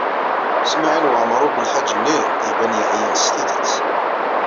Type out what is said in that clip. Smawil Waɛmaṛ U Belḥaǧ-nni iban yeɛya s tidet.